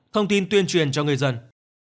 thông tin tuyên truyền cho người dân